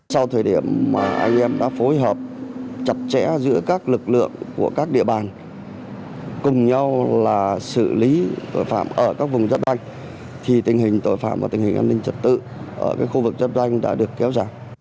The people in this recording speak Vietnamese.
sau thời điểm mà anh em đã phối hợp chặt chẽ giữa các lực lượng của các địa bàn cùng nhau là xử lý tội phạm ở các vùng giáp danh thì tình hình tội phạm và tình hình an ninh trật tự ở khu vực giáp ranh đã được kéo giảm